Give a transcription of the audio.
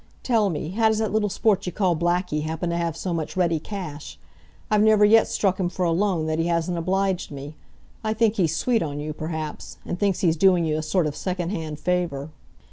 Tell me, how does that little sport you call Blackie happen to have so much ready cash? I've never yet struck him for a loan that he hasn't obliged me. I think he's sweet on you, perhaps, and thinks he's doing you a sort of second hand favor."